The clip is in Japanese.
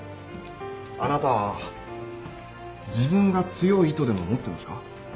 あなた自分が強いとでも思ってますか？